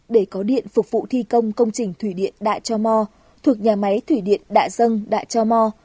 để có điện phục vụ thi công công trình thủy điện đạ cho mò thuộc nhà máy thủy điện đạ dân đạ cho mò